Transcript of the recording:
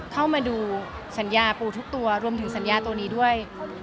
เข้ามาดูสัญญาปูทุกตัวรวมถึงสัญญาตัวนี้ด้วย